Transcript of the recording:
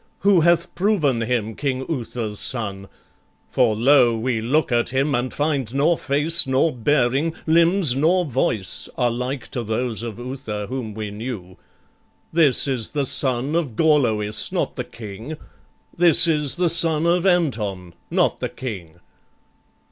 who hath proven him King Uther's son? for lo! we look at him, And find nor face nor bearing, limbs nor voice, Are like to those of Uther whom we knew. This is the son of Gorloïs, not the King; This is the son of Anton, not the King."